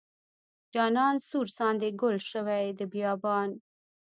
جانان سور ساندې ګل شوې د بیابان.